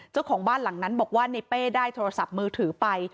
เจ้าของบ้านหลังนั้นบอกว่าในเป้ได้โทรศัพท์มือถือไป